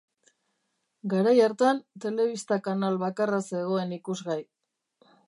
Garai hartan, telebista-kanal bakarra zegoen ikusgai.